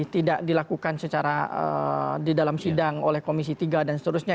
tidak dilakukan secara di dalam sidang oleh komisi tiga dan seterusnya